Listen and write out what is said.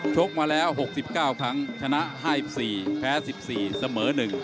กมาแล้ว๖๙ครั้งชนะ๕๔แพ้๑๔เสมอ๑